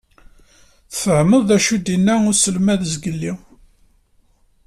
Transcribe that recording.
Tfehmeḍ d acu i d-inna uselmad zgelli?